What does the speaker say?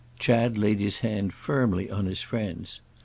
_" Chad laid his hand firmly on his friend's.